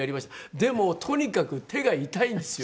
でもとにかく手が痛いんですよ。